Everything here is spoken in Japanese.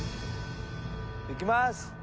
いきます。